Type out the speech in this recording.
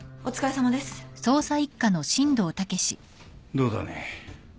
どうだね？